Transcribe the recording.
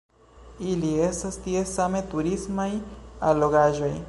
Ili estas tie same turismaj allogaĵoj.